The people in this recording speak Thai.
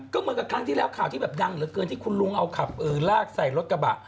ก็เหมือนกับครั้งที่แล้วข่าวที่แบบดังเหลือเกินที่คุณลุงเอาขับลากใส่รถกระบะ